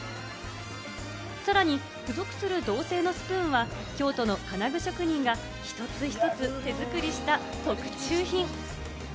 さらに附属する銅製のスプーンは京都の金具職人が一つ一つ手作りした特注品。